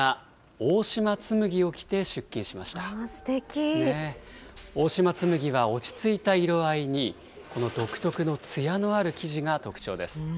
大島紬は落ち着いた色合いに、この独特のつやのある生地が特徴です。